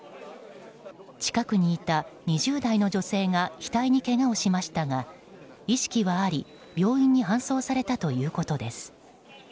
近くにいた２０代の女性が額にけがをしましたが意識はあり病院に搬送されたということです。